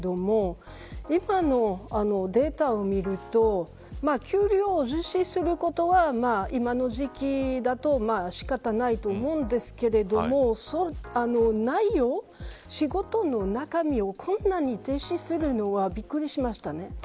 だから若者は選ぶことができる状況ですけれども今のデータを見ると給料を重視することは今の時期だと仕方ないと思うんですけれども仕事の中身をこんなに軽視するのはびっくりしましたね。